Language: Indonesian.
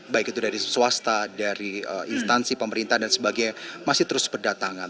baik itu dari swasta dari instansi pemerintah dan sebagainya masih terus berdatangan